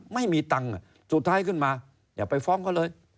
ไม่มีตังค์สุดท้ายขึ้นมาอย่าไปฟ้องเขาเลย